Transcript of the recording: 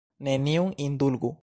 Neniun indulgu!